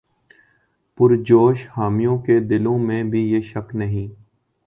پرجوش حامیوں کے دلوں میں بھی یہ شک نہیں